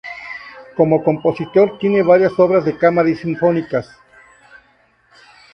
Como compositor tiene varias obras de cámara y sinfónicas.